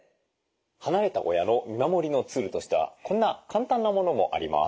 離れた親の見守りのツールとしてはこんな簡単なものもあります。